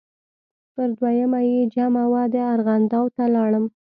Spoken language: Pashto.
پر دویمه یې جمعه وه ارغنداو ته لاړم.